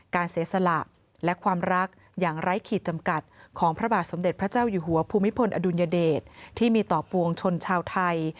เสียสละและความรักอย่างไร้ขีดจำกัดของพระบาทสมเด็จพระเจ้าอยู่หัวภูมิพลอดุลยเดชที่มีต่อปวงชนชาวไทย